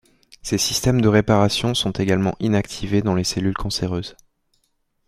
Ces systèmes de réparation sont également inactivés dans les cellules cancéreuses.